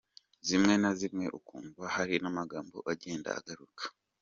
Zimwe na zimwe ukumva hari n’amagambo agenda agaruka.